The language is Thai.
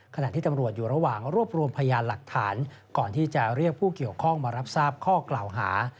ขณะที่ตำรวจอยู่ระหว่างรวบรวมพยานหลักฐานก่อนที่จะเรียกผู้เกี่ยวข้องมารับทราบข้อกล่าวหา